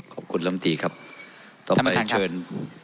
ลำตีครับต่อไปเชิญ